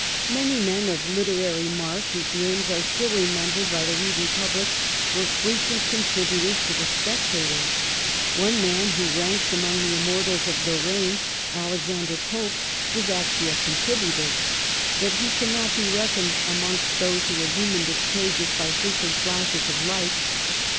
Many men of literary mark whose names are still remembered by the reading pubhc were frequent contributors to ' The Spectator.' One man who ranks among the immortals of the reign, Alexander Pope, was actually a contributor ; but he cannot be reckoned amongst those who illumined its pages by frequent flashes of light.